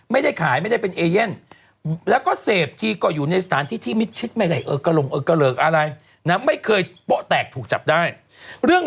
ไม่ได้ขายไม่ถือว่าเป็นเอเยั่น